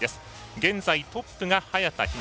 現在、トップが早田ひな。